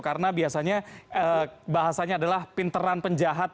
karena biasanya bahasanya adalah pinteran penjahat